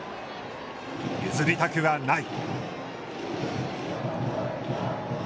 譲りたくはない。